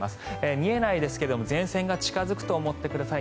見えないですが前線が近付くと思ってください。